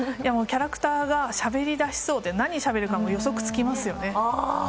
キャラクターがしゃべりだしそうで、何しゃべりそうかも予測つきますよね。